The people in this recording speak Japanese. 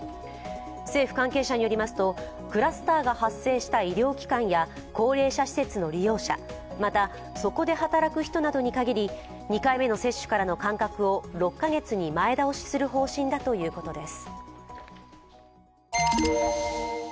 政府関係者によりますとクラスターが発生した医療機関や高齢者施設の利用者、またそこで働く人などに限り２回目の接種からの間隔を６カ月前倒しする方針だということです。